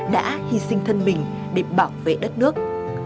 đã hy sinh thân mình để bảo vệ đất nước